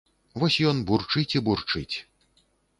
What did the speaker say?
Вось ён бурчыць і бурчыць.